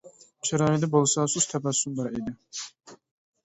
چىرايىدا بولسا سۇس تەبەسسۇم بار ئىدى.